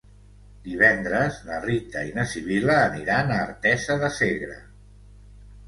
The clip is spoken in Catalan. Divendres na Rita i na Sibil·la aniran a Artesa de Segre.